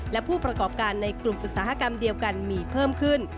และผู้ประกอบการในกลุ่มอุตสาหกรรมเดียวกันมีเพิ่มขึ้น